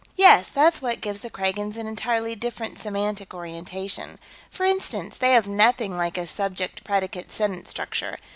"Yes. That's what gives the Kragans an entirely different semantic orientation. For instance, they have nothing like a subject predicate sentence structure.